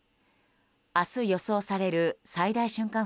明日予想される最大瞬間